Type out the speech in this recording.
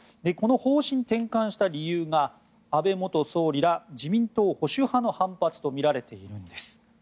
この方針を転換した理由が安倍元総理ら自民党保守派の反発とみられているんです。